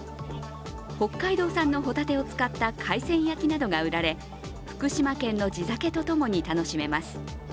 北海道産のホタテを使った海鮮焼きなどが売られ福島県の地酒とともに楽しめます。